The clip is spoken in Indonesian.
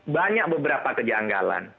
banyak beberapa kejanggalan